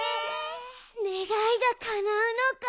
ねがいがかなうのか。